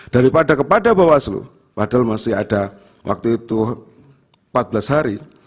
daripada kepada bawaslu padahal masih ada waktu itu empat belas hari